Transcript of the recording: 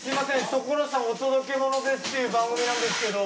『所さんお届けモノです！』っていう番組なんですけど。